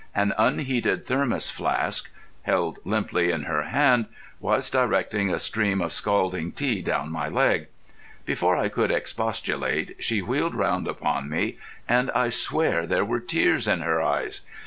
An unheeded Thermos flask, held limply in her hand, was directing a stream of scalding tea down my leg. Before I could expostulate she wheeled round upon me, and I swear there were tears in her eyes.